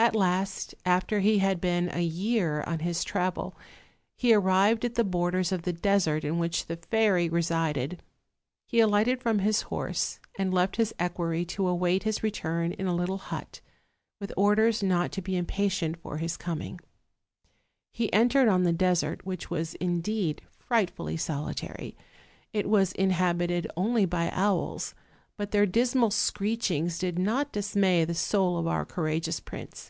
At last, after he had been a year on his travel, he arrived at the borders of the desert in which the fairy resided; he alighted from his horse, and left his equerry to await his return in a little hut, with orders not to be impatient for his coming. He entered on the desert, which was indeed frightfully solitary: it Avas inhabited only by owls, but their dismal screechings did not dismay the soul of our courageous prince.